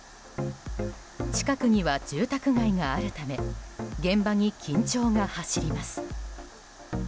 近くには住宅街があるため現場に緊張が走ります。